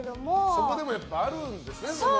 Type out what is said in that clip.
そこでもやっぱあるんですね。